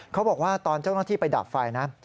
เขาบอกว่าตอนเจ้าหน้าที่ไปดับไฟนะ